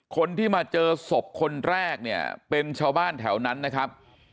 คนที่มาเจอศพคนแรกเนี่ยเป็นชาวบ้านแถวนั้นนะครับ